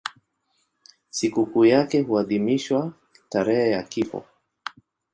Sikukuu yake huadhimishwa tarehe ya kifo.